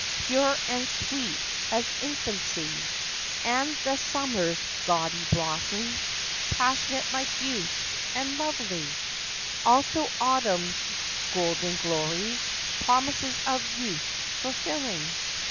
II Pure and sweet as infancy; And the summer's gaudy blossoms— Passionate, like youth, and lovely; Also, autumn's golden glories— Promises of youth fulfilling.